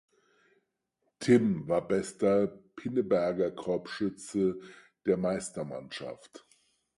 Timm war bester Pinneberger Korbschütze der Meistermannschaft.